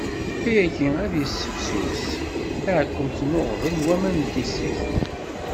Ayagi ad yessifsus taɛkkemt n uɣbel n waman n tissit.